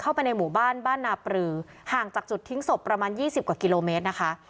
เข้าไปในหมู่บ้านบ้านนาปรือห่างจากจุดทิ้งศพประมาณ๒๐กว่ากิโลเมตรนะคะ